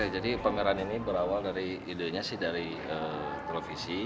jadi pameran ini berawal dari ide dari televisi